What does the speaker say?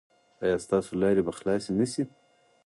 ایا ستاسو لارې به خلاصې نه شي؟